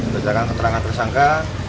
menjelaskan keterangan tersangka